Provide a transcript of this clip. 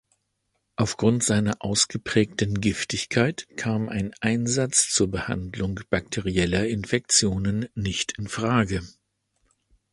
Aufgrund seiner ausgeprägten Giftigkeit kam ein Einsatz zur Behandlung bakterieller Infektionen nicht in Frage.